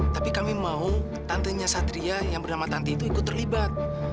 tapi kami mau tantenya satria yang bernama tanti itu ikut terlibat